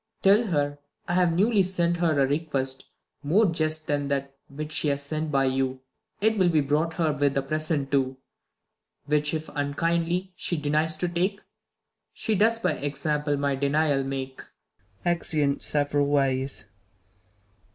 Tell her, I've newly sent her a request More just than that which she has sent by you ; It will be brouglit her with a present too : Which if, unkindly, she denies to take, She does by 'xample my denial make. [Exeunt several ways.